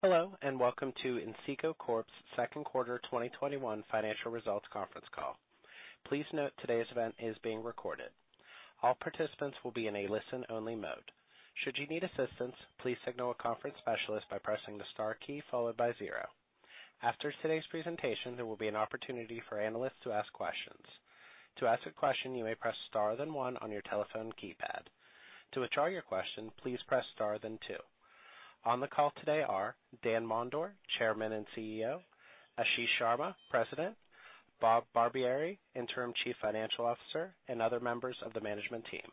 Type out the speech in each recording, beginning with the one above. Hello, welcome to Inseego Corp's Second Quarter 2021 Financial Results Conference Call. Please note today's event is being recorded. All participants will be in a listen-only mode. Should you need assistance, please signal a conference specialist by pressing the star key followed by zero. After today's presentation, there will be an opportunity for analysts to ask questions. To ask a question, you may press star then one on your telephone keypad. To withdraw your question, please press star then two. On the call today are Dan Mondor, Chairman and CEO, Ashish Sharma, President, Bob Barbieri, Interim Chief Financial Officer, and other members of the management team.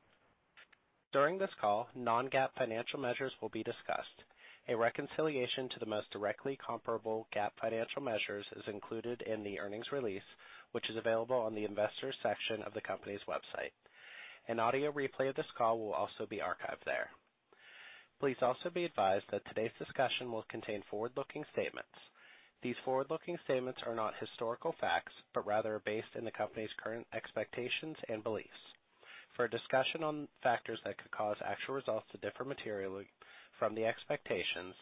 During this call, non-GAAP financial measures will be discussed. A reconciliation to the most directly comparable GAAP financial measures is included in the earnings release, which is available on the investors section of the company's website. An audio replay of this call will also be archived there. Please also be advised that today's discussion will contain forward-looking statements. These forward-looking statements are not historical facts, but rather are based in the company's current expectations and beliefs. For a discussion on factors that could cause actual results to differ materially from the expectations,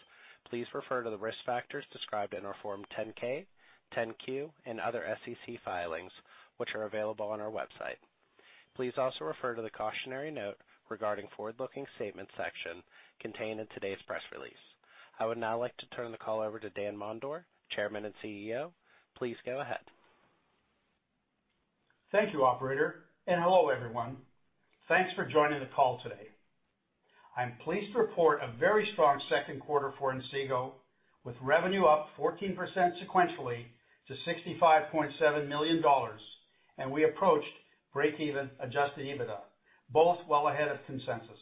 please refer to the risk factors described in our Form 10-K, 10-Q, and other Securities and Exchange Commission filings, which are available on our website. Please also refer to the cautionary note regarding forward-looking statements section contained in today's press release. I would now like to turn the call over to Dan Mondor, Chairman and CEO. Please go ahead. Thank you, operator, and hello, everyone. Thanks for joining the call today. I'm pleased to report a very strong second quarter for Inseego, with revenue up 14% sequentially to $65.7 million, and we approached break-even adjusted EBITDA, both well ahead of consensus.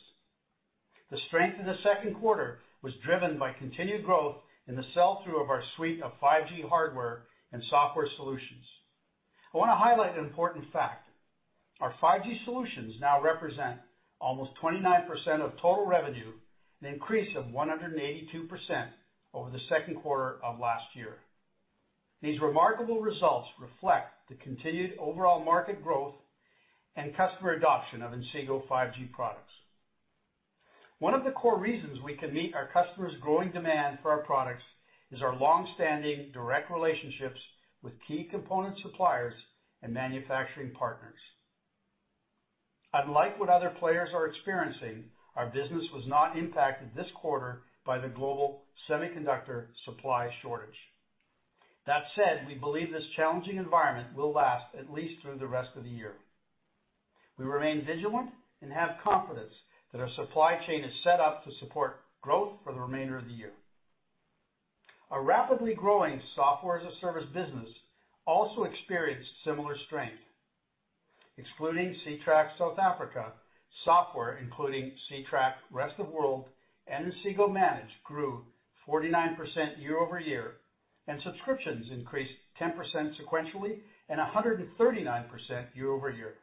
The strength in the second quarter was driven by continued growth in the sell-through of our suite of 5G hardware and software solutions. I want to highlight an important fact. Our 5G solutions now represent almost 29% of total revenue, an increase of 182% over the second quarter of last year. These remarkable results reflect the continued overall market growth and customer adoption of Inseego 5G products. One of the core reasons we can meet our customers' growing demand for our products is our long-standing direct relationships with key component suppliers and manufacturing partners. Unlike what other players are experiencing, our business was not impacted this quarter by the global semiconductor supply shortage. That said, we believe this challenging environment will last at least through the rest of the year. We remain vigilant and have confidence that our supply chain is set up to support growth for the remainder of the year. Our rapidly growing software as a service business also experienced similar strength. Excluding Ctrack South Africa, software including Ctrack Rest of the World and Inseego Connect grew 49% year-over-year, and subscriptions increased 10% sequentially and 139% year-over-year.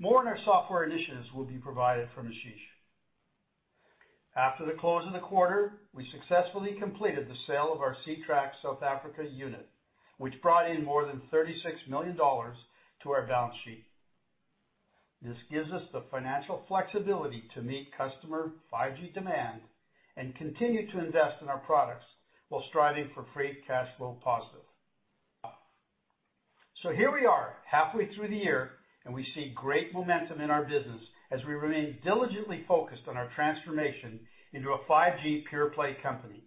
More on our software initiatives will be provided from Ashish. After the close of the quarter, we successfully completed the sale of our Ctrack South Africa unit, which brought in more than $36 million to our balance sheet. This gives us the financial flexibility to meet customer 5G demand and continue to invest in our products while striving for free cash flow positive. Here we are, halfway through the year, and we see great momentum in our business as we remain diligently focused on our transformation into a 5G pure-play company.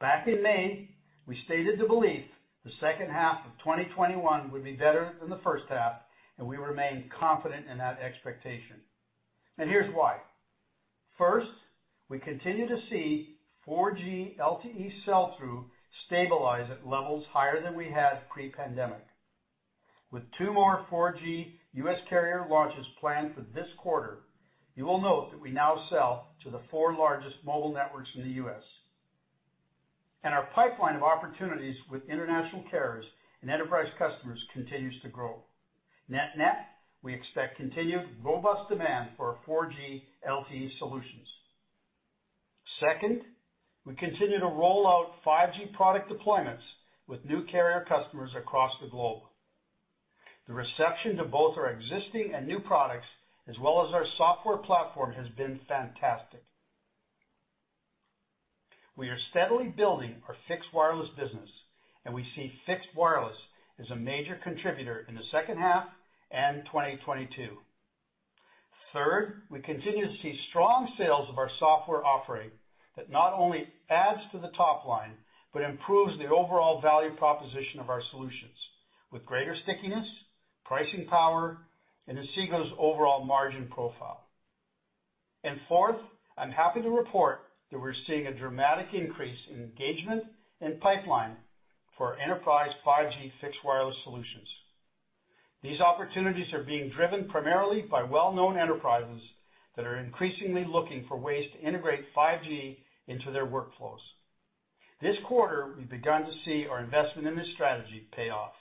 Back in May, we stated the belief the second half of 2021 would be better than the first half, and we remain confident in that expectation. Here's why. First, we continue to see 4G LTE sell-through stabilize at levels higher than we had pre-pandemic. With two more 4G U.S. carrier launches planned for this quarter, you will note that we now sell to the four largest mobile networks in the U.S. Our pipeline of opportunities with international carriers and enterprise customers continues to grow. Net-net, we expect continued robust demand for our 4G LTE solutions. Second, we continue to roll out 5G product deployments with new carrier customers across the globe. The reception to both our existing and new products, as well as our software platform, has been fantastic. We are steadily building our fixed wireless business, and we see fixed wireless as a major contributor in the second half and 2022. Third, we continue to see strong sales of our software offering that not only adds to the top line, but improves the overall value proposition of our solutions with greater stickiness, pricing power, and Inseego's overall margin profile. Fourth, I'm happy to report that we're seeing a dramatic increase in engagement and pipeline for enterprise 5G fixed wireless solutions. These opportunities are being driven primarily by well-known enterprises that are increasingly looking for ways to integrate 5G into their workflows. This quarter, we've begun to see our investment in this strategy pay off.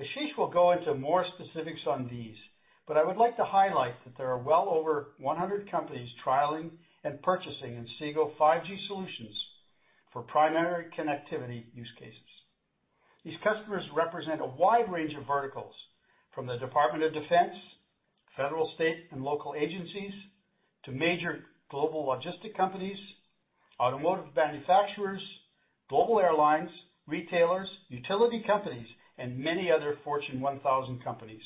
Ashish will go into more specifics on these, but I would like to highlight that there are well over 100 companies trialing and purchasing Inseego 5G solutions for primary connectivity use cases. These customers represent a wide range of verticals, from the Department of Defense, federal, state, and local agencies, to major global logistic companies, automotive manufacturers, global airlines, retailers, utility companies, and many other Fortune 1000 companies.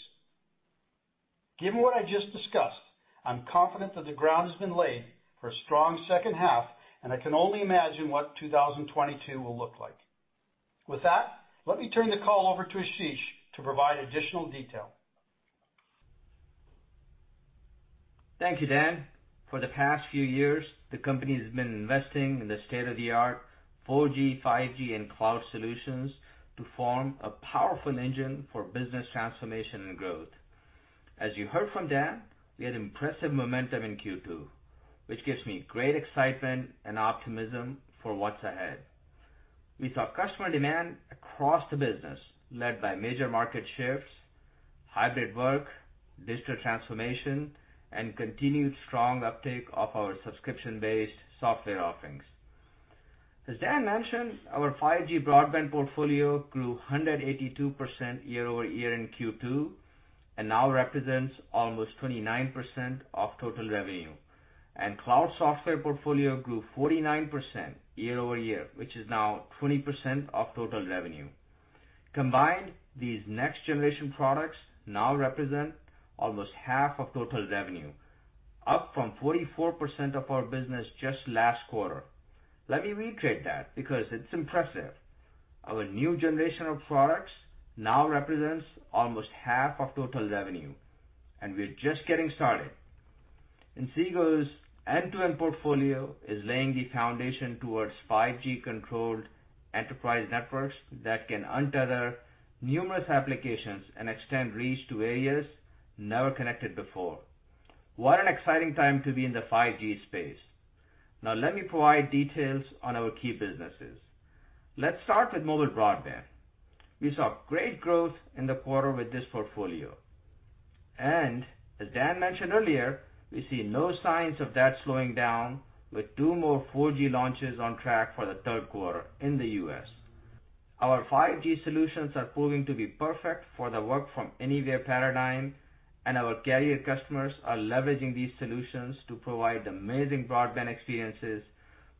Given what I just discussed, I'm confident that the ground has been laid for a strong second half, and I can only imagine what 2022 will look like. With that, let me turn the call over to Ashish to provide additional detail. Thank you, Dan. For the past few years, the company has been investing in state-of-the-art 4G, 5G, and cloud solutions to form a powerful engine for business transformation and growth. As you heard from Dan, we had impressive momentum in Q2, which gives me great excitement and optimism for what's ahead. We saw customer demand across the business led by major market shifts, hybrid work, digital transformation, and continued strong uptake of our subscription-based software offerings. As Dan mentioned, our 5G broadband portfolio grew 182% year-over-year in Q2 and now represents almost 29% of total revenue. Cloud software portfolio grew 49% year-over-year, which is now 20% of total revenue. Combined, these next-generation products now represent almost half of total revenue, up from 44% of our business just last quarter. Let me reiterate that, because it's impressive. Our new generation of products now represents almost half of total revenue, and we're just getting started. Inseego's end-to-end portfolio is laying the foundation towards 5G-controlled enterprise networks that can untether numerous applications and extend reach to areas never connected before. What an exciting time to be in the 5G space. Now, let me provide details on our key businesses. Let's start with mobile broadband. We saw great growth in the quarter with this portfolio. As Dan mentioned earlier, we see no signs of that slowing down with two more 4G launches on track for the third quarter in the U.S. Our 5G solutions are proving to be perfect for the work-from-anywhere paradigm, and our carrier customers are leveraging these solutions to provide amazing broadband experiences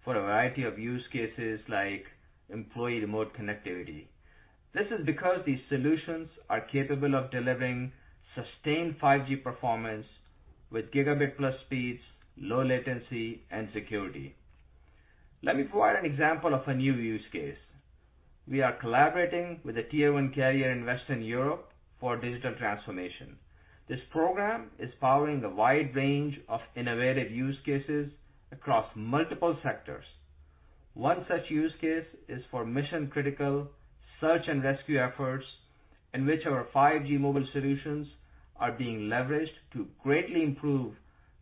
for a variety of use cases like employee remote connectivity. This is because these solutions are capable of delivering sustained 5G performance with gigabit-plus speeds, low latency, and security. Let me provide an example of a new use case. We are collaborating with a Tier 1 carrier in Western Europe for digital transformation. This program is powering a wide range of innovative use cases across multiple sectors. One such use case is for mission-critical search and rescue efforts, in which our 5G mobile solutions are being leveraged to greatly improve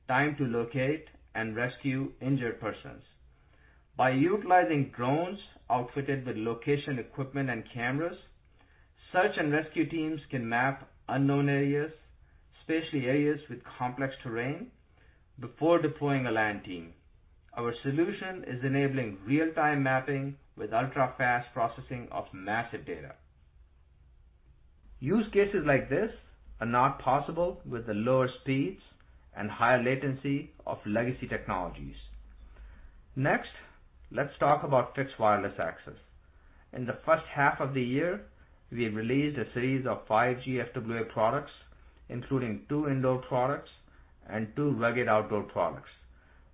time to locate and rescue injured persons. By utilizing drones outfitted with location equipment and cameras, search and rescue teams can map unknown areas, especially areas with complex terrain, before deploying a land team. Our solution is enabling real-time mapping with ultra-fast processing of massive data. Use cases like this are not possible with the lower speeds and higher latency of legacy technologies. Next, let's talk about Fixed Wireless Access. In the first half of the year, we have released a series of 5G FWA products, including two indoor products and two rugged outdoor products,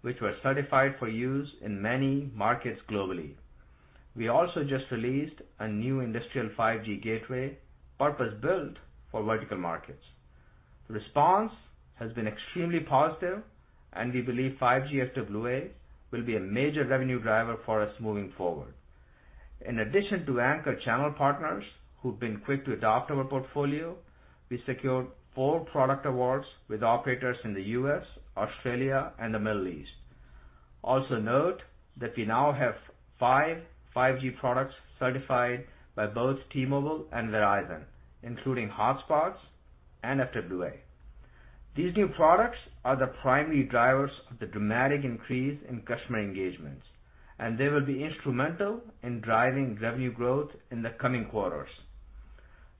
which were certified for use in many markets globally. We also just released a new industrial 5G gateway purpose-built for vertical markets. Response has been extremely positive, and we believe 5G FWA will be a major revenue driver for us moving forward. In addition to anchor channel partners who've been quick to adopt our portfolio, we secured four product awards with operators in the U.S., Australia, and the Middle East. Also note that we now have five 5G products certified by both T-Mobile and Verizon, including hotspots and FWA. These new products are the primary drivers of the dramatic increase in customer engagements, and they will be instrumental in driving revenue growth in the coming quarters.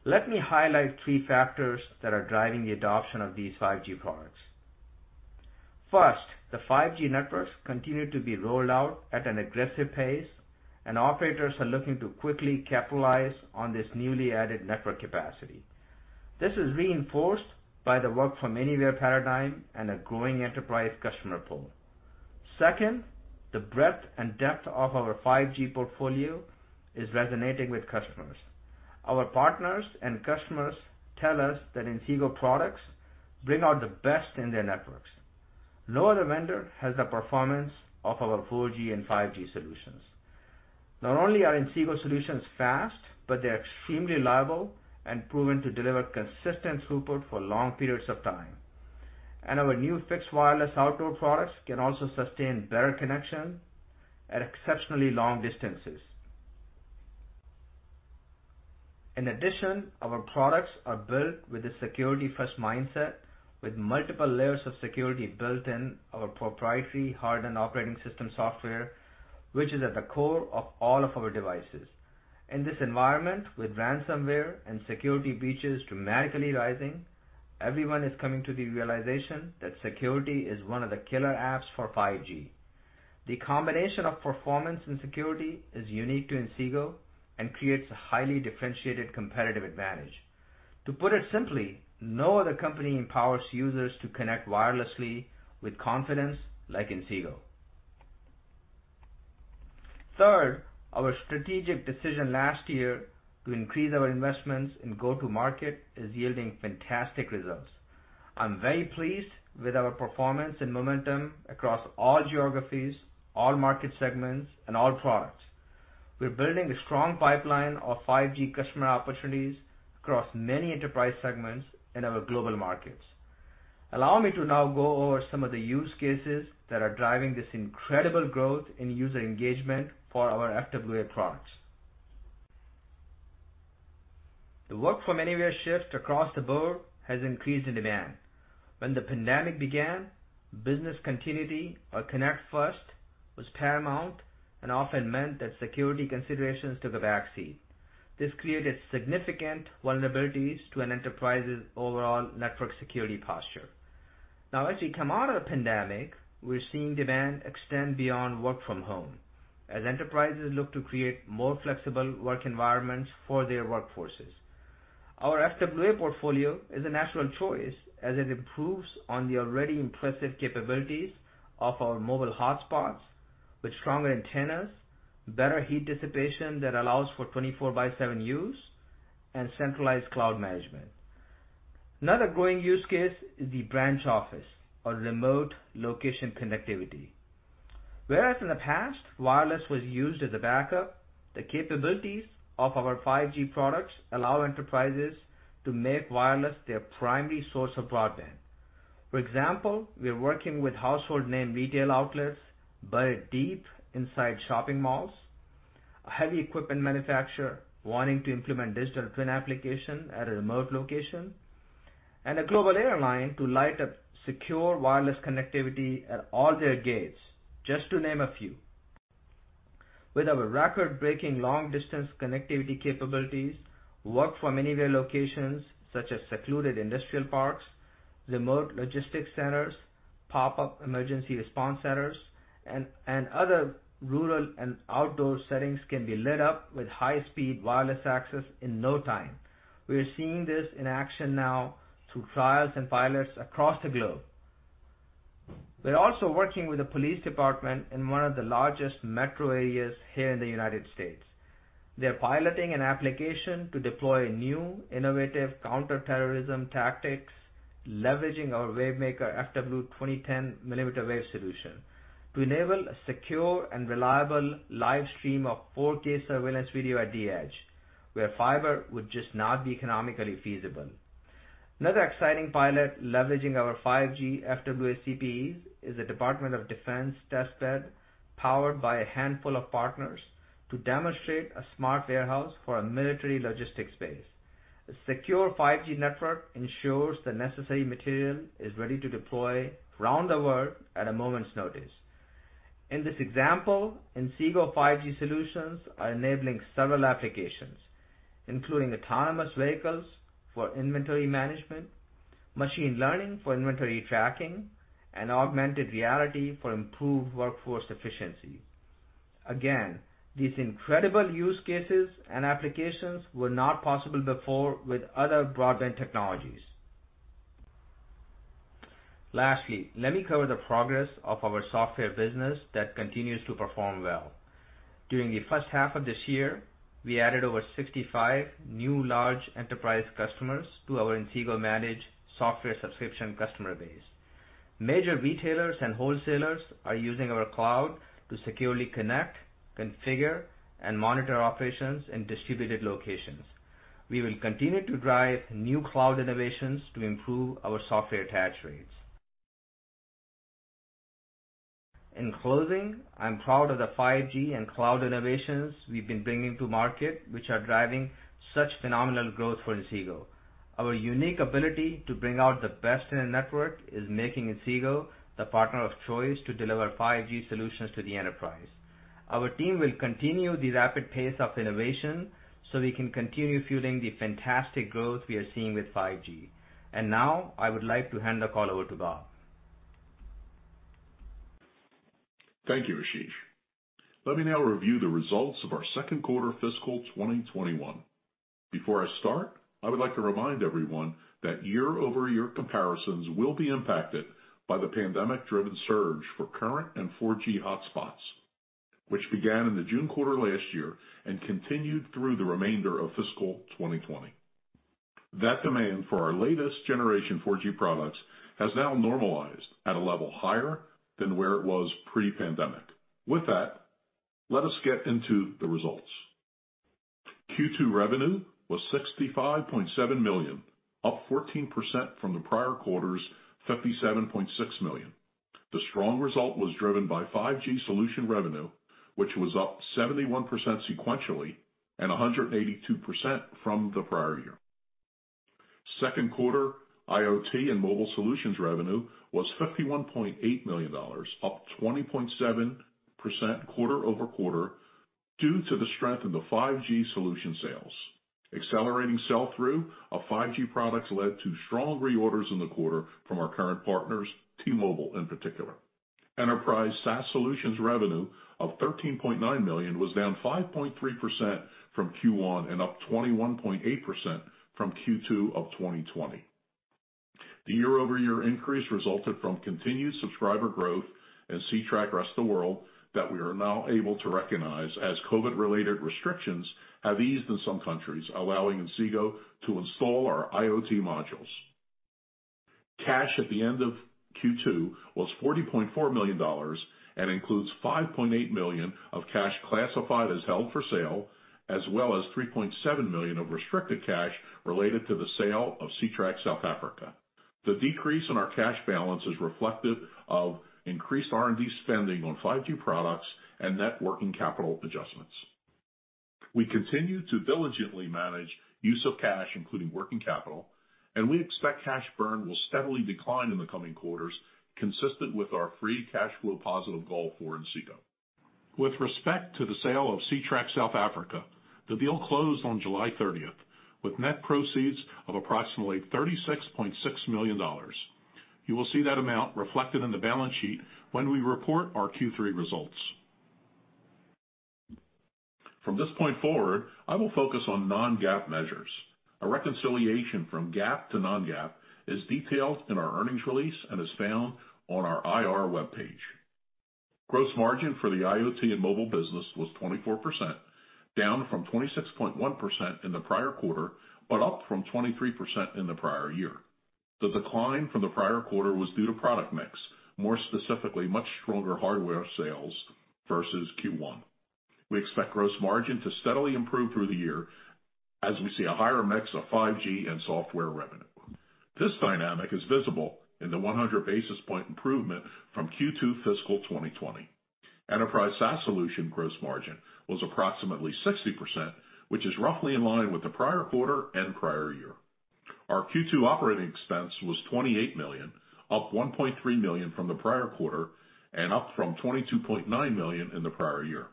Let me highlight three factors that are driving the adoption of these 5G products. First, the 5G networks continue to be rolled out at an aggressive pace, and operators are looking to quickly capitalize on this newly added network capacity. This is reinforced by the work-from-anywhere paradigm and a growing enterprise customer pool. Second, the breadth and depth of our 5G portfolio is resonating with customers. Our partners and customers tell us that Inseego products bring out the best in their networks. No other vendor has the performance of our 4G and 5G solutions. Not only are Inseego solutions fast, but they're extremely reliable and proven to deliver consistent throughput for long periods of time. Our new fixed wireless outdoor products can also sustain better connection at exceptionally long distances. Our products are built with a security-first mindset, with multiple layers of security built in our proprietary hardened operating system software, which is at the core of all of our devices. In this environment, with ransomware and security breaches dramatically rising, everyone is coming to the realization that security is one of the killer apps for 5G. The combination of performance and security is unique to Inseego and creates a highly differentiated competitive advantage. To put it simply, no other company empowers users to connect wirelessly with confidence like Inseego. Third, our strategic decision last year to increase our investments in go-to-market is yielding fantastic results. I'm very pleased with our performance and momentum across all geographies, all market segments, and all products. We're building a strong pipeline of 5G customer opportunities across many enterprise segments in our global markets. Allow me to now go over some of the use cases that are driving this incredible growth in user engagement for our FWA products. The work-from-anywhere shifts across the board has increased in demand. When the pandemic began, business continuity or connect first was paramount and often meant that security considerations took a back seat. This created significant vulnerabilities to an enterprise's overall network security posture. Now, as we come out of the pandemic, we're seeing demand extend beyond work from home as enterprises look to create more flexible work environments for their workforces. Our FWA portfolio is a natural choice as it improves on the already impressive capabilities of our mobile hotspots with stronger antennas, better heat dissipation that allows for 24 by seven use, and centralized cloud management. Another growing use case is the branch office or remote location connectivity. Whereas in the past, wireless was used as a backup, the capabilities of our 5G products allow enterprises to make wireless their primary source of broadband. For example, we are working with household name retail outlets buried deep inside shopping malls, a heavy equipment manufacturer wanting to implement digital twin application at a remote location, and a global airline to light up secure wireless connectivity at all their gates, just to name a few. With our record-breaking long-distance connectivity capabilities, work-from-anywhere locations such as secluded industrial parks, remote logistics centers, pop-up emergency response centers, and other rural and outdoor settings can be lit up with high-speed wireless access in no time. We are seeing this in action now through trials and pilots across the globe. We're also working with the police department in one of the largest metro areas here in the U.S. They are piloting an application to deploy new innovative counter-terrorism tactics, leveraging our Wavemaker FW2010 mmWave solution to enable a secure and reliable live stream of 4K surveillance video at the edge, where fiber would just not be economically feasible. Another exciting pilot leveraging our 5G FWA Customer Premises Equipment is a Department of Defense test bed powered by a handful of partners to demonstrate a smart warehouse for a military logistics base. A secure 5G network ensures the necessary material is ready to deploy around the world at a moment's notice. In this example, Inseego 5G solutions are enabling several applications, including autonomous vehicles for inventory management, machine learning for inventory tracking, and augmented reality for improved workforce efficiency. Again, these incredible use cases and applications were not possible before with other broadband technologies. Lastly, let me cover the progress of our software business that continues to perform well. During the first half of this year, we added over 65 new large enterprise customers to our Inseego managed software subscription customer base. Major retailers and wholesalers are using our cloud to securely connect, configure, and monitor operations in distributed locations. We will continue to drive new cloud innovations to improve our software attach rates. In closing, I'm proud of the 5G and cloud innovations we've been bringing to market, which are driving such phenomenal growth for Inseego. Our unique ability to bring out the best in a network is making Inseego the partner of choice to deliver 5G solutions to the enterprise. Our team will continue the rapid pace of innovation so we can continue fueling the fantastic growth we are seeing with 5G. Now, I would like to hand the call over to Bob Barbieri. Thank you, Ashish. Let me now review the results of our second quarter fiscal 2021. Before I start, I would like to remind everyone that year-over-year comparisons will be impacted by the pandemic-driven surge for current and 4G hotspots, which began in the June quarter last year and continued through the remainder of fiscal 2020. That demand for our latest generation 4G products has now normalized at a level higher than where it was pre-pandemic. With that, let us get into the results. Q2 revenue was $65.7 million, up 14% from the prior quarter's $57.6 million. The strong result was driven by 5G solution revenue, which was up 71% sequentially and 182% from the prior year. Second quarter IoT and mobile solutions revenue was $51.8 million, up 20.7% quarter-over-quarter due to the strength in the 5G solution sales. Accelerating sell-through of 5G products led to strong reorders in the quarter from our current partners, T-Mobile in particular. Enterprise SaaS solutions revenue of $13.9 million was down 5.3% from Q1 and up 21.8% from Q2 of 2020. The year-over-year increase resulted from continued subscriber growth in Ctrack Rest of the World that we are now able to recognize as COVID-related restrictions have eased in some countries, allowing Inseego to install our IoT modules. Cash at the end of Q2 was $40.4 million and includes $5.8 million of cash classified as held for sale, as well as $3.7 million of restricted cash related to the sale of Ctrack South Africa. The decrease in our cash balance is reflective of increased R&D spending on 5G products and net working capital adjustments. We continue to diligently manage use of cash, including working capital, and we expect cash burn will steadily decline in the coming quarters, consistent with our free cash flow positive goal for Inseego. With respect to the sale of Ctrack South Africa, the deal closed on July 30th with net proceeds of approximately $36.6 million. You will see that amount reflected in the balance sheet when we report our Q3 results. From this point forward, I will focus on non-GAAP measures. A reconciliation from GAAP to non-GAAP is detailed in our earnings release and is found on our Investor Relations webpage. Gross margin for the IoT and mobile business was 24%, down from 26.1% in the prior quarter, but up from 23% in the prior year. The decline from the prior quarter was due to product mix, more specifically, much stronger hardware sales versus Q1. We expect gross margin to steadily improve through the year as we see a higher mix of 5G and software revenue. This dynamic is visible in the 100-basis point improvement from Q2 fiscal 2020. Enterprise SaaS solution gross margin was approximately 60%, which is roughly in line with the prior quarter and prior year. Our Q2 operating expense was $28 million, up $1.3 million from the prior quarter and up from $22.9 million in the prior year.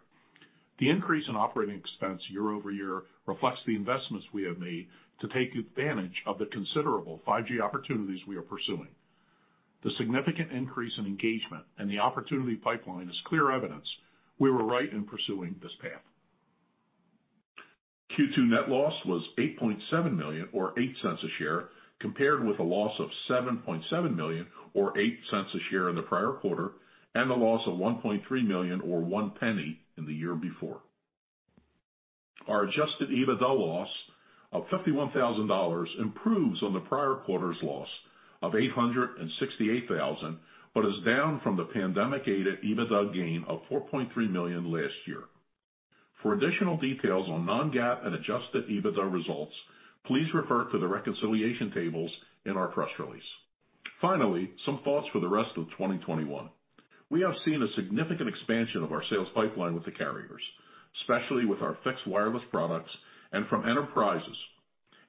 The increase in operating expense year-over-year reflects the investments we have made to take advantage of the considerable 5G opportunities we are pursuing. The significant increase in engagement and the opportunity pipeline is clear evidence we were right in pursuing this path. Q2 net loss was $8.7 million, or $0.08 a share, compared with a loss of $7.7 million or $0.08 a share in the prior quarter, and a loss of $1.3 million or $0.01 in the year before. Our Adjusted EBITDA loss of $51,000 improves on the prior quarter's loss of $868,000, but is down from the pandemic-aided EBITDA gain of $4.3 million last year. For additional details on non-GAAP and Adjusted EBITDA results, please refer to the reconciliation tables in our press release. Finally, some thoughts for the rest of 2021. We have seen a significant expansion of our sales pipeline with the carriers, especially with our fixed wireless products and from enterprises.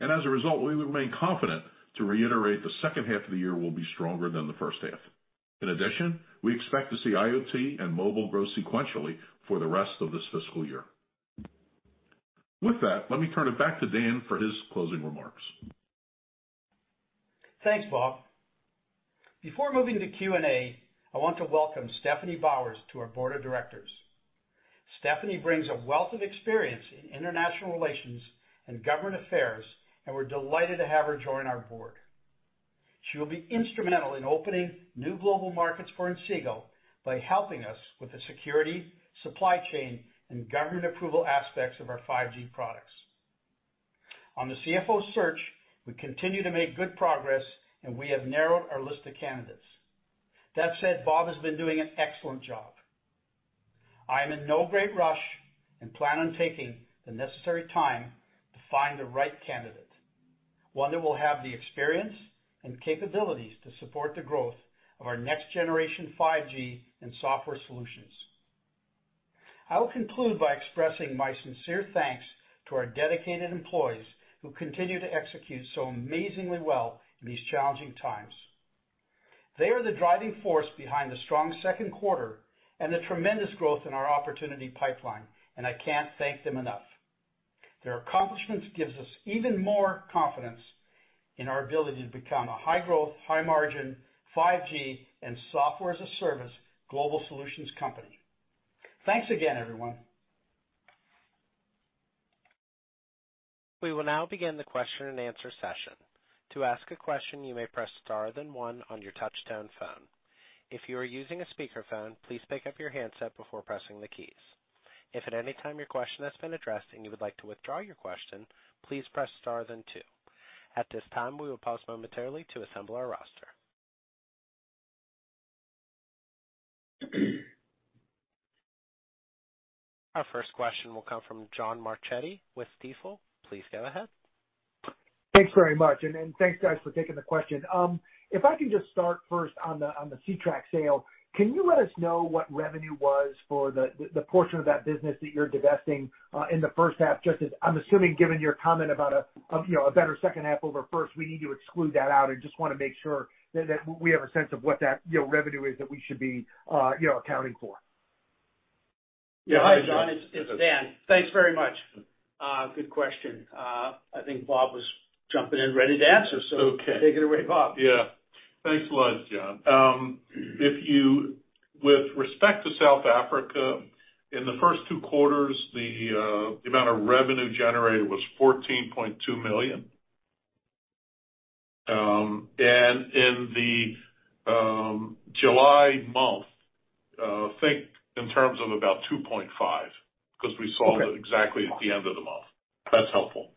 As a result, we remain confident to reiterate the second half of the year will be stronger than the first half. In addition, we expect to see IoT and mobile grow sequentially for the rest of this fiscal year. With that, let me turn it back to Dan for his closing remarks. Thanks, Bob. Before moving to Q&A, I want to welcome Stephanie Bowers to our Board of Directors. Stephanie brings a wealth of experience in international relations and government affairs, and we're delighted to have her join our board. She will be instrumental in opening new global markets for Inseego by helping us with the security, supply chain, and government approval aspects of our 5G products. On the CFO search, we continue to make good progress, and we have narrowed our list of candidates. That said, Bob has been doing an excellent job. I am in no great rush and plan on taking the necessary time to find the right candidate, one that will have the experience and capabilities to support the growth of our next-generation 5G and software solutions. I will conclude by expressing my sincere thanks to our dedicated employees who continue to execute so amazingly well in these challenging times. They are the driving force behind the strong second quarter and the tremendous growth in our opportunity pipeline, and I can't thank them enough. Their accomplishments gives us even more confidence in our ability to become a high-growth, high-margin 5G and Software-as-a-Service global solutions company. Thanks again, everyone. We will now begin the question-and-answer session. To ask a question, you may press star, then one on your touch-tone phone. If you are using a speakerphone, please pick up your handset before pressing the keys. If at any time your question has been addressed and you would like to withdraw your question, please press star then two. At this time, we will pause momentarily to assemble our roster. Our first question will come from John Marchetti with Stifel. Please go ahead. Thanks very much, and thanks guys for taking the question. If I can just start first on the Ctrack sale, can you let us know what revenue was for the portion of that business that you're divesting in the first half? I'm assuming, given your comment about a better second half over first, we need to exclude that out, I just want to make sure that we have a sense of what that revenue is that we should be accounting for? Yeah. Hi, John, it's Dan. Thanks very much. Good question. I think Bob was jumping in ready to answer. Okay. Take it away, Bob. Yeah. Thanks a lot, John. With respect to South Africa, in the first two quarters, the amount of revenue generated was $14.2 million. In the July month, think in terms of about $2.5 million, because we sold it exactly at the end of the month. If that's helpful.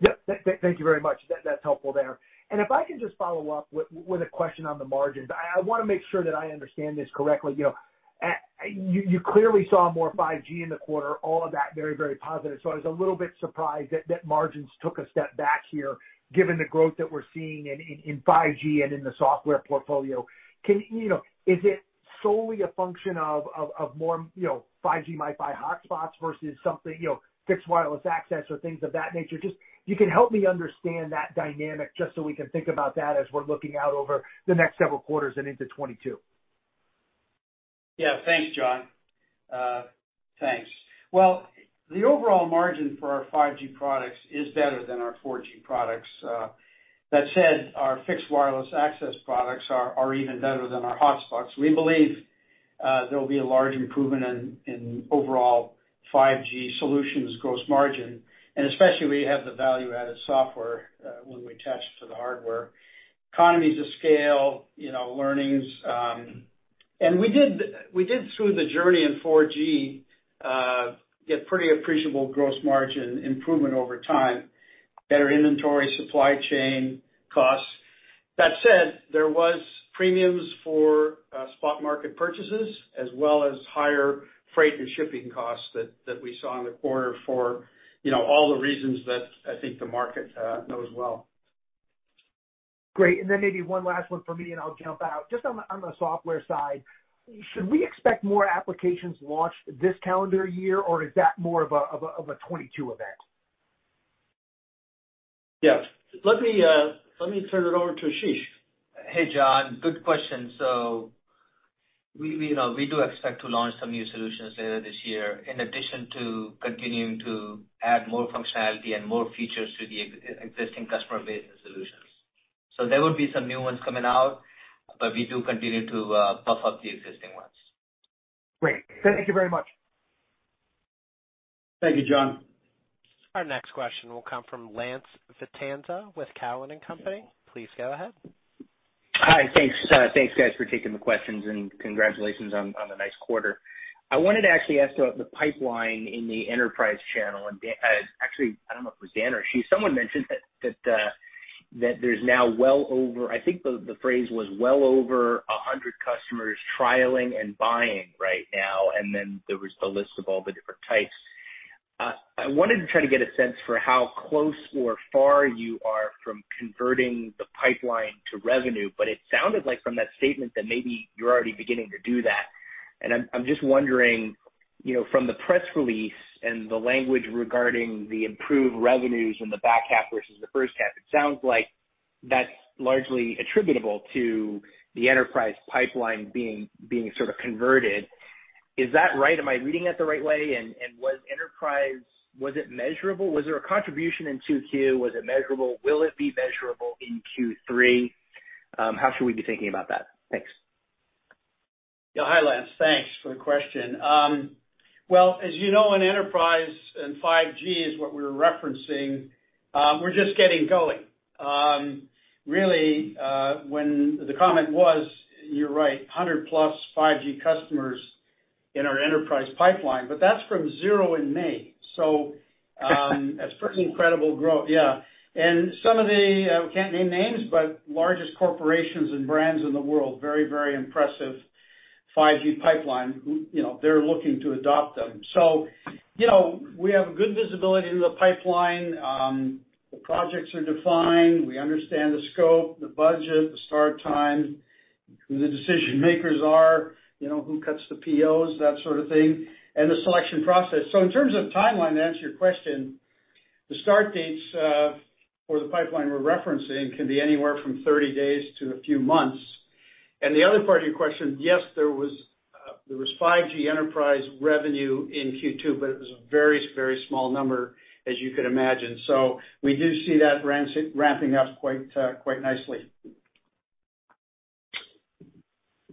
Yep. Thank you very much. That's helpful there. If I can just follow up with a question on the margins. I want to make sure that I understand this correctly. You clearly saw more 5G in the quarter, all of that very, very positive. I was a little bit surprised that margins took a step back here, given the growth that we're seeing in 5G and in the software portfolio. Is it solely a function of more 5G MiFi hotspots versus something, Fixed Wireless Access or things of that nature? If you can help me understand that dynamic, just so we can think about that as we're looking out over the next several quarters and into 2022. Yeah. Thanks, John. Thanks. Well, the overall margin for our 5G products is better than our 4G products. That said, our fixed wireless access products are even better than our hotspots. We believe there will be a large improvement in overall 5G solutions gross margin, and especially where you have the value-added software, when we attach to the hardware. Economies of scale, learnings. We did, through the journey in 4G, get pretty appreciable gross margin improvement over time, better inventory, supply chain costs. That said, there was premiums for spot market purchases as well as higher freight and shipping costs that we saw in the quarter for all the reasons that I think the market knows well. Great. Maybe one last one for me, and I'll jump out. Just on the software side, should we expect more applications launched this calendar year, or is that more of a 2022 event? Yeah. Let me turn it over to Ashish. Hey, John. Good question. We do expect to launch some new solutions later this year, in addition to continuing to add more functionality and more features to the existing customer base and solutions. There will be some new ones coming out, but we do continue to buff up the existing ones. Great. Thank you very much. Thank you, John. Our next question will come from Lance Vitanza with TD Cowen. Please go ahead. Hi. Thanks. Thanks, guys, for taking the questions, and congratulations on the nice quarter. I wanted to actually ask about the pipeline in the Enterprise channel. Actually, I don't know if it was Dan or Ashish, someone mentioned that there's now well over, I think the phrase was well over 100 customers trialing and buying right now, and then there was the list of all the different types. I wanted to try to get a sense for how close or far you are from converting the pipeline to revenue, but it sounded like from that statement that maybe you're already beginning to do that. I'm just wondering, from the press release and the language regarding the improved revenues in the back half versus the first half, it sounds like that's largely attributable to the Enterprise pipeline being sort of converted. Is that right? Am I reading that the right way? Was Enterprise measurable? Was there a contribution in 2Q? Was it measurable? Will it be measurable in Q3? How should we be thinking about that? Thanks. Yeah. Hi, Lance. Thanks for the question. Well, as you know, in enterprise, 5G is what we're referencing, we're just getting going. Really, when the comment was, you're right, 100+ 5G customers in our enterprise pipeline, but that's from zero in May. That's pretty incredible growth. Yeah. Some of the, we can't name names, but largest corporations and brands in the world, very, very impressive 5G pipeline they're looking to adopt them. We have good visibility into the pipeline. The projects are defined. We understand the scope, the budget, the start time, who the decision makers are, who cuts the Purchase Orders, that sort of thing, and the selection process. In terms of timeline, to answer your question, the start dates for the pipeline we're referencing can be anywhere from 30 days to a few months. The other part of your question, yes, there was 5G Enterprise revenue in Q2, but it was a very, very small number, as you could imagine. We do see that ramping up quite nicely.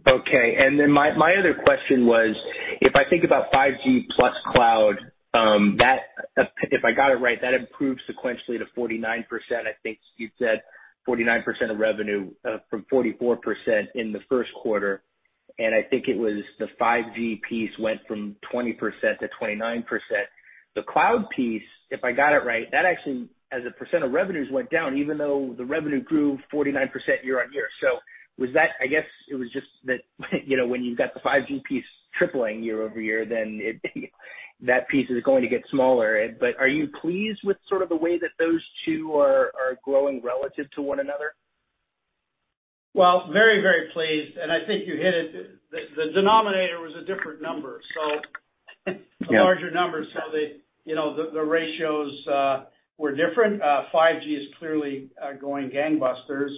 Okay. My other question was, if I think about 5G plus cloud, if I got it right, that improved sequentially to 49%. I think you said 49% of revenue from 44% in the first quarter. I think it was the 5G piece went from 20% to 29%. The cloud piece, if I got it right, that actually, as a percent of revenues went down, even though the revenue grew 49% year-on-year. I guess it was just that when you've got the 5G piece tripling year-over-year, That piece is going to get smaller, but are you pleased with sort of the way that those two are growing relative to one another? Well, very, very pleased, and I think you hit it. The denominator was a different number, a larger number, so the ratios were different. 5G is clearly going gangbusters.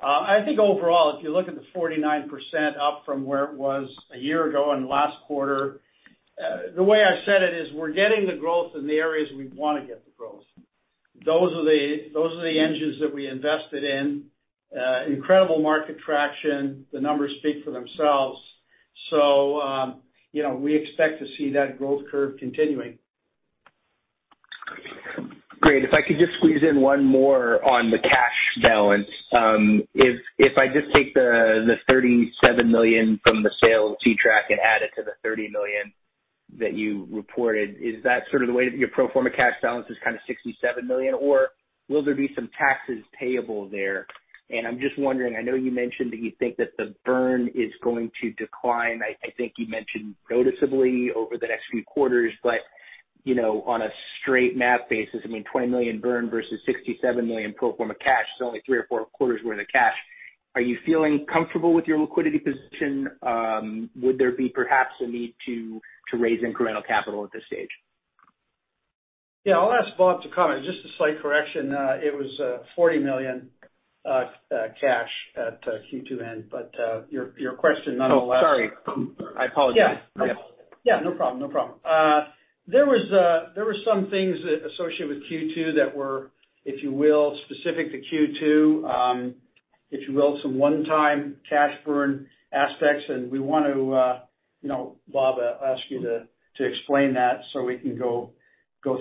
I think overall, if you look at the 49% up from where it was a year ago and last quarter, the way I said it is we're getting the growth in the areas we want to get the growth. Those are the engines that we invested in. Incredible market traction. The numbers speak for themselves. We expect to see that growth curve continuing. Great. If I could just squeeze in one more on the cash balance. If I just take the $37 million from the sale of Ctrack and add it to the $30 million that you reported, is that sort of the way that your pro forma cash balance is kind of $67 million, or will there be some taxes payable there? I'm just wondering, I know you mentioned that you think that the burn is going to decline, I think you mentioned noticeably over the next few quarters, but on a straight math basis, I mean, $20 million burn versus $67 million pro forma cash is only three or four quarters worth of cash. Are you feeling comfortable with your liquidity position? Would there be perhaps a need to raise incremental capital at this stage? Yeah, I'll ask Bob to comment. Just a slight correction, it was $40 million cash at Q2 end. Your question nonetheless. Oh, sorry. I apologize. Yeah. Yeah. Yeah, no problem. There were some things associated with Q2 that were, if you will, specific to Q2, if you will, some one-time cash burn aspects, and we want to, Bob, ask you to explain that so we can go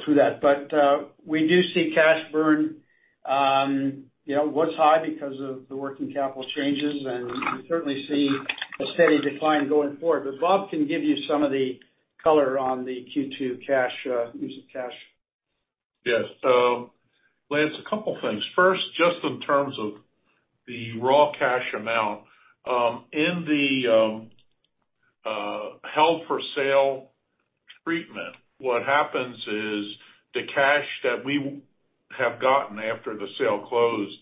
through that. We do see cash burn was high because of the working capital changes, and we certainly see a steady decline going forward. Bob can give you some of the color on the Q2 cash, use of cash. Yes. Lance, a couple things. First, just in terms of the raw cash amount. In the held for sale treatment, what happens is the cash that we have gotten after the sale closed,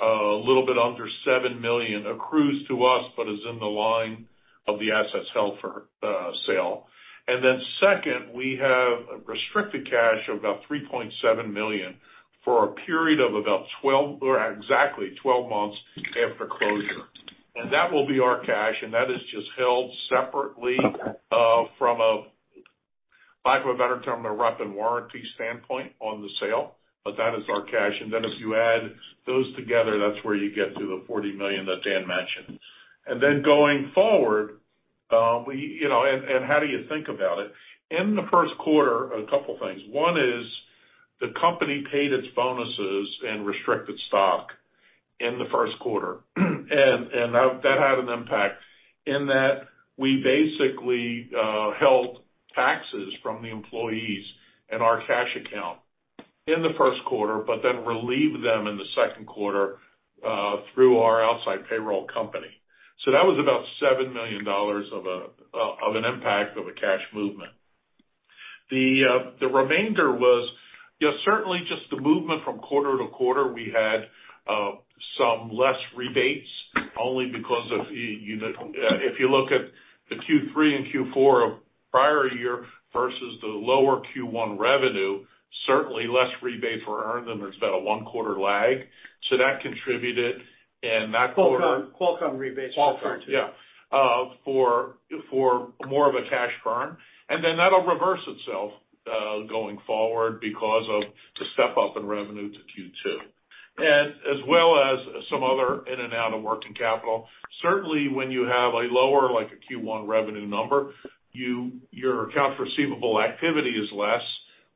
a little bit under $7 million accrues to us, but is in the line of the assets held for sale. Second, we have restricted cash of about $3.7 million for a period of exactly 12 months after closure. That will be our cash, and that is just held separately from a, lack of a better term, a rep and warranty standpoint on the sale, but that is our cash. If you add those together, that's where you get to the $40 million that Dan mentioned. Going forward, how do you think about it? In the first quarter, a couple things. One is the company paid its bonuses and restricted stock in the first quarter, and that had an impact in that we basically held taxes from the employees in our cash account in the first quarter, but then relieved them in the second quarter, through our outside payroll company. That was about $7 million of an impact of a cash movement. The remainder was certainly just the movement from quarter to quarter. We had some less rebates only because of, if you look at the Q3 and Q4 of prior year versus the lower Q1 revenue, certainly less rebate for earn than there's been a one-quarter lag. That contributed in that quarter. Qualcomm rebates. Qualcomm, yeah, for more of a cash burn. That'll reverse itself, going forward because of the step-up in revenue to Q2, as well as some other in and out of working capital. Certainly when you have a lower, like a Q1 revenue number, your accounts receivable activity is less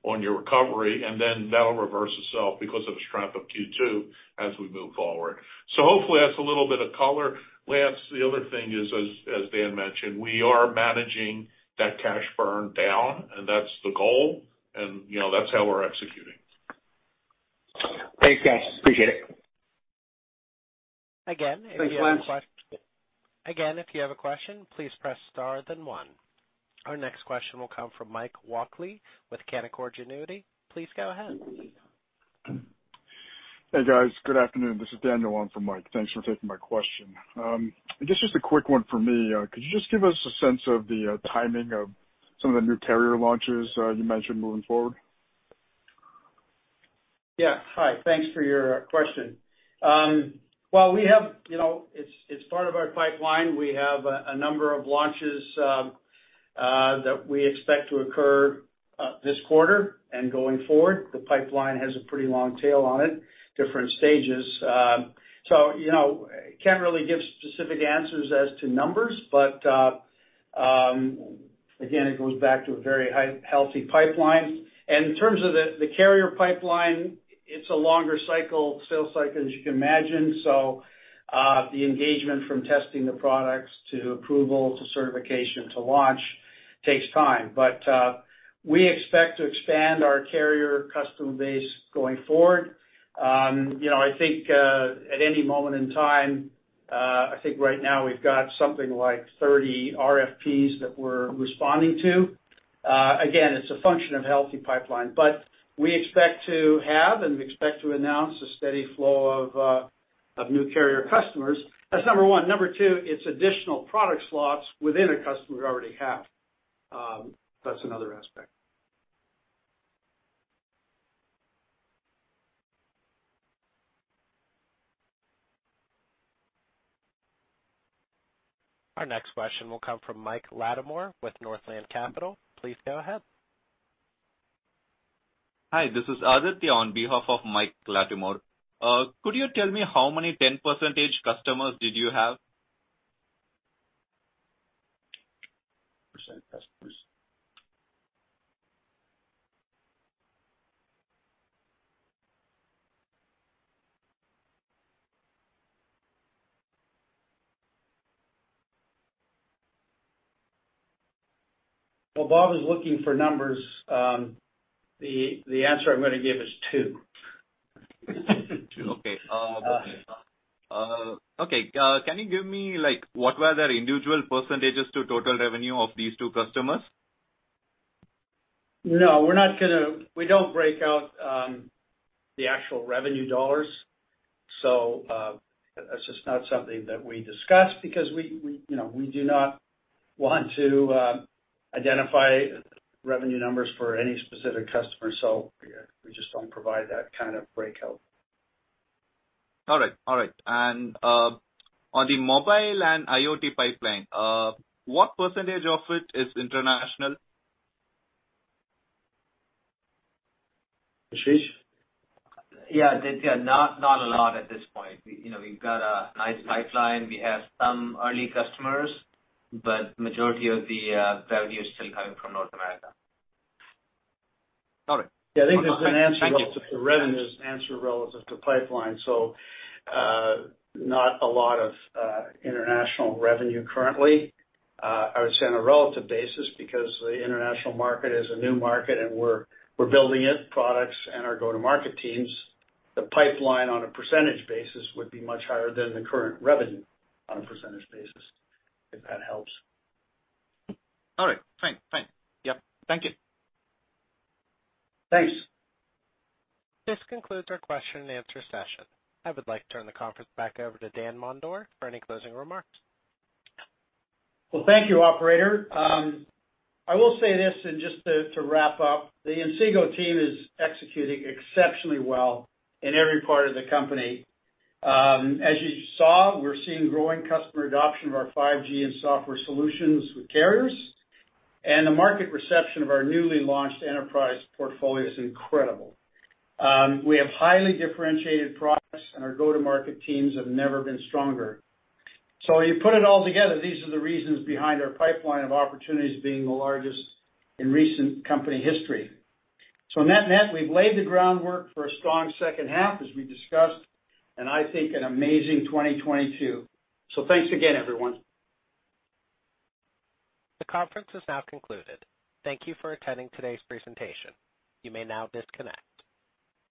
on your recovery, that'll reverse itself because of a step-up in Q2 as we move forward. Hopefully that's a little bit of color. Lance, the other thing is as Dan mentioned, we are managing that cash burn down, that's the goal and that's how we're executing. Thanks, guys. Appreciate it. Again. Thanks, Lance. Again, if you have a question, please press star then one. Our next question will come from Mike Walkley with Canaccord Genuity. Please go ahead. Hey, guys. Good afternoon. This is Daniel on for Mike. Thanks for taking my question. I guess just a quick one for me. Could you just give us a sense of the timing of some of the new carrier launches you mentioned moving forward? Yeah. Hi. Thanks for your question. It's part of our pipeline. We have a number of launches that we expect to occur this quarter and going forward. The pipeline has a pretty long tail on it, different stages. Can't really give specific answers as to numbers, but again, it goes back to a very healthy pipeline. In terms of the carrier pipeline, it's a longer sales cycle as you can imagine. The engagement from testing the products to approval, to certification, to launch takes time. We expect to expand our carrier customer base going forward. I think right now we've got something like 30 Requests for Proposals that we're responding to. Again, it's a function of healthy pipeline, but we expect to have and we expect to announce a steady flow of new carrier customers. That's number one. Number two, it's additional product slots within a customer we already have. That's another aspect. Our next question will come from Mike Latimore with Northland Capital Markets. Please go ahead. Hi, this is Aditya on behalf of Michael Latimore. Could you tell me how many 10% customers did you have? [audio ditortion] While Bob is looking for numbers, the answer I'm going to give is two. Two. Okay. Can you give me what were the individual percentage to total revenue of these two customers? No, we don't break out the actual revenue dollars. That's just not something that we discuss because we do not want to identify revenue numbers for any specific customer, so we just don't provide that kind of breakout. All right. On the mobile and IoT pipeline, what percentage of it is international? Ashish? Yeah, Aditya. Not a lot at this point. We've got a nice pipeline. We have some early customers, but majority of the value is still coming from North America. All right. Yeah, I think there's an answer. Thank you. Relative to revenues, answer relative to pipeline. Not a lot of international revenue currently. I would say on a relative basis, because the international market is a new market and we're building it, products and our go-to-market teams, the pipeline on a percentage basis would be much higher than the current revenue on a percentage basis, if that helps. All right. Thanks. Yep. Thank you. Thanks. This concludes our question and answer session. I would like to turn the conference back over to Dan Mondor for any closing remarks. Well, thank you, operator. I will say this, and just to wrap up, the Inseego team is executing exceptionally well in every part of the company. As you saw, we're seeing growing customer adoption of our 5G and software solutions with carriers, and the market reception of our newly launched enterprise portfolio is incredible. We have highly differentiated products, and our go-to-market teams have never been stronger. You put it all together, these are the reasons behind our pipeline of opportunities being the largest in recent company history. On that note, we've laid the groundwork for a strong second half, as we discussed, and I think an amazing 2022. Thanks again, everyone. The conference is now concluded. Thank you for attending today's presentation. You may now disconnect.